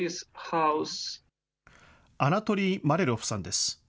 アナトリイ・マリャロフさんです。